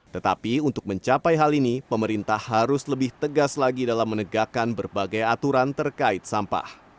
tetapi untuk mencapai hal ini pemerintah harus lebih tegas lagi dalam menegakkan berbagai aturan terkait sampah